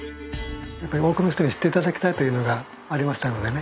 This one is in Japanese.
やっぱり多くの人に知って頂きたいというのがありましたのでね